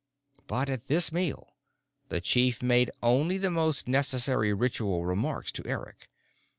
But at this meal, the chief made only the most necessary ritual remarks to Eric.